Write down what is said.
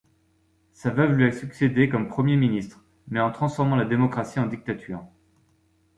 Sa veuve lui a succédé comme Premier-ministre mais en transformant la démocratie en dictature.